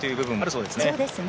そうですね。